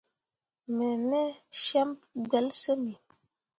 Me ne cem pu gbelsyimmi.